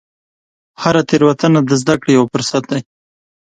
هره تېروتنه د زده کړې یو فرصت دی.